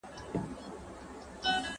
که وخت وي، سپينکۍ پرېولم!.